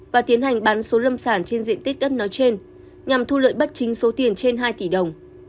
và tiến hành bán số lâm sản trên diện tích đất nói trên nhằm thu lợi bất chính số tiền trên hai tỷ đồng